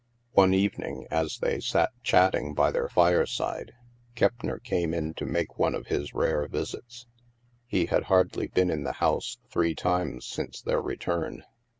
One evening, as they sat chatting by their fireside, Keppner came in to make one of his rare visits. He had hardly been in the house three times since their return.